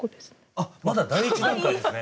あまだ第１段階ですね。